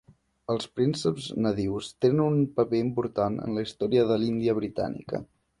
Els prínceps nadius tenen un paper important en la història de l'Índia Britànica.